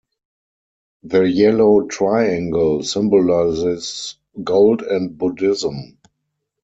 The yellow triangle symbolizes gold and Buddhism.